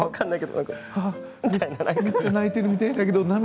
泣いてるみたいだけど涙